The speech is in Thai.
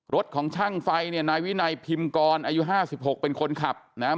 รถของช่างไฟเนี่ยนายวินัยพิมกรอายุ๕๖เป็นคนขับนะครับ